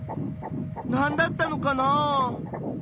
何だったのかなあ？